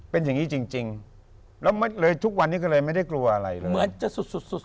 เป็นสิ่งนี้จริงแล้วไม่เลยทุกวันนี้ก็เลยไม่ได้กลัวอะไรเลย